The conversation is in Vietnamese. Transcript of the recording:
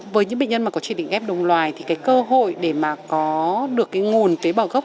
với những bệnh nhân mà có chỉ định ghép đồng loài thì cái cơ hội để mà có được cái nguồn tế bào gốc